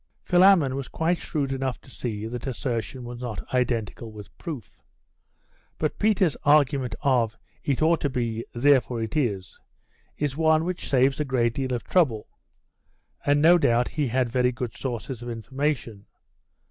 Philammon was quite shrewd enough to see that assertion was not identical with proof. But Peter's argument of 'it ought to be, therefore it is,' is one which saves a great deal of trouble...and no doubt he had very good sources of information.